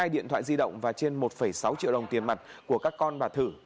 hai điện thoại di động và trên một sáu triệu đồng tiền mặt của các con bà thử